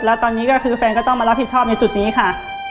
แล้วตอนนี้ก็คือแฟนก็ต้องมารับผิดชอบในจุดนี้ค่ะ